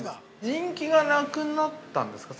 ◆人気がなくなったんですか？